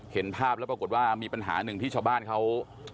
เห็นภาพแล้วปรากฏว่ามีปัญหาหนึ่งที่ชาวบ้านเขา